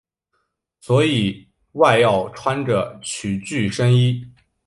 所以外要穿着曲裾深衣。